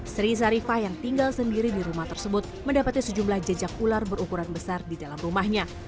sri sarifah yang tinggal sendiri di rumah tersebut mendapati sejumlah jejak ular berukuran besar di dalam rumahnya